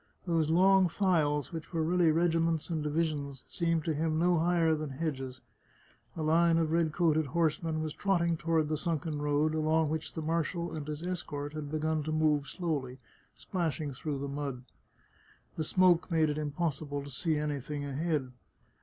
Those long files, which were really regiments and divisions, seemed to him no higher than hedges. A line of red coated horsemen was trotting toward the sunken road, along which the marshal and his escort had begun to move slowly, splashing through the mud. The smoke made it impossible to see anything ahead.